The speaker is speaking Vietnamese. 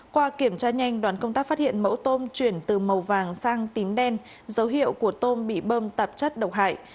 qua kiểm tra nhanh đoàn công tác phát hiện mẫu tôm chuyển từ màu vàng sang tím đen dấu hiệu của tôm bị bơm tạp chất độc hại